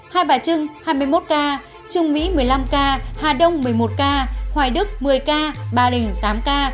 hai bà trưng hai mươi một ca trung mỹ một mươi năm ca hà đông một mươi một ca hoài đức một mươi ca ba đình tám ca